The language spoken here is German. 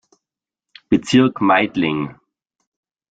Bezirk Meidling.